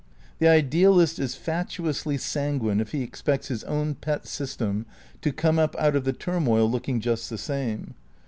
The idealist is fatuously sanguine if he expects his own pet system to come up out of the turmoil looking just the same.